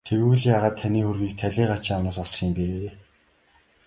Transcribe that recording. Тэгвэл яагаад таны хөрөгийг талийгаачийн амнаас олсон юм бэ?